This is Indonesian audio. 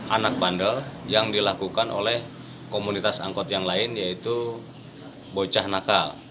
anak bandel yang dilakukan oleh komunitas angkot yang lain yaitu bocah nakal